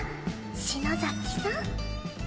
篠崎さん。